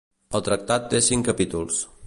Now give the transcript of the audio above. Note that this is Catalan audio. El tractat té cinc capítols.